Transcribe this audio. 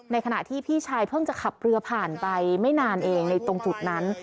ขณะที่พี่ชายเพิ่งจะขับเรือผ่านไปไม่นานเองในตรงจุดนั้น